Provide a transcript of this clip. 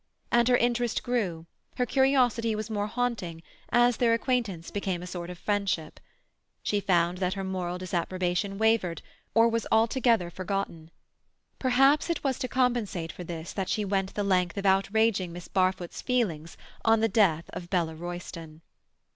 And her interest grew, her curiosity was more haunting, as their acquaintance became a sort of friendship; she found that her moral disapprobation wavered, or was altogether forgotten. Perhaps it was to compensate for this that she went the length of outraging Miss Barfoot's feelings on the death of Bella Royston.